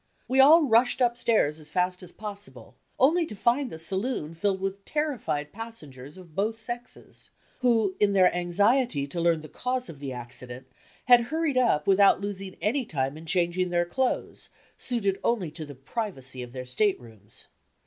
We all rushed upstairs as fast as possible, only to find the saloon filled with terrified passengers of both sexes, who in their anxiety to learn the cause of the accident, had hurried up without losing any time in changing their clothes, suited only to the privacy of their staterooms.